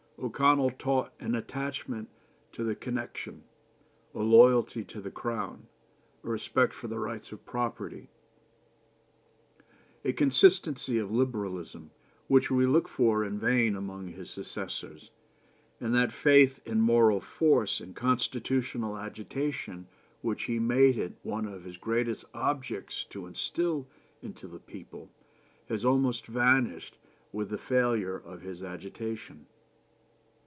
O'Connell taught an attachment to the connection, a loyalty to the crown, a respect for the rights of property, a consistency of Liberalism, which we look for in vain among his successors; and that faith in moral force and constitutional agitation which he made it one of his greatest objects to instil into the people has almost vanished with the failure of his agitation."